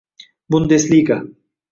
Bundesliga